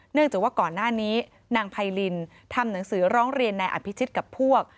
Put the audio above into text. จากว่าก่อนหน้านี้นางไพรินทำหนังสือร้องเรียนนายอภิชิตกับพวก